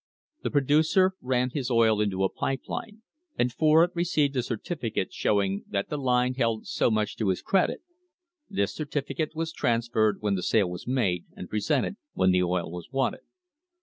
The producer ran his oil into a pipe line, and for it received a certificate show ing that the line held so much to his credit; this certificate was transferred when the sale was made and presented when the oil was wanted.